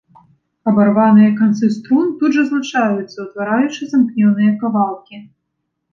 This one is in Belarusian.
Абарваныя канцы струн тут жа злучаюцца, утвараючы замкнёныя кавалкі.